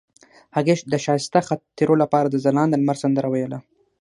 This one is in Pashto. هغې د ښایسته خاطرو لپاره د ځلانده لمر سندره ویله.